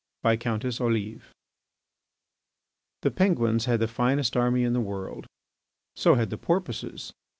VISCOUNTESS OLIVE The Penguins had the finest army in the world. So had the Porpoises.